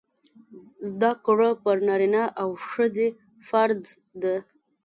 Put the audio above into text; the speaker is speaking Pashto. زده کړه پر نر او ښځي فرځ ده